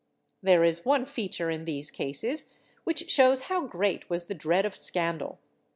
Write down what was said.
There is one feature in these cases which shows how great was the dread of scandal.